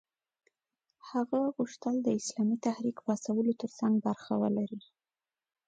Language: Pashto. هغه غوښتل د اسلامي تحریک پاڅولو ترڅنګ برخه ولري.